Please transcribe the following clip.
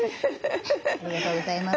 ありがとうございます。